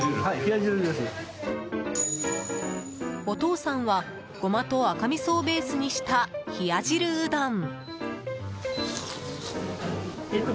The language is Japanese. お父さんはゴマと赤みそをベースにした、ひや汁うどん。